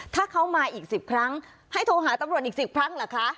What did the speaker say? ถ้าเขามาอีก๑๐ครั้งให้โทรหาตำรวจอีก๑๐ครั้งเหรอคะ